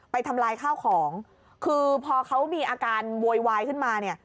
ไปทำร้ายข้าวของคือพอเขามีอาการโวยวายขึ้นมา